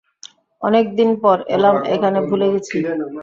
অনেক দিন পর এলাম এখানে, ভুলে গেছি।